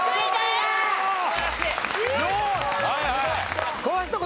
はいはい。